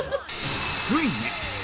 ついに！